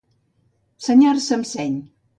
Senyar-se amb seny.